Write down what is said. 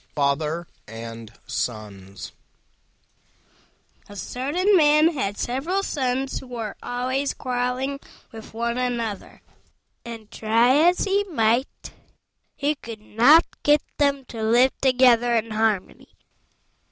FATHER AND SONS A certain man had several Sons who were always quarrelling with one another, and, try as he might, he could not get them to live together in harmony.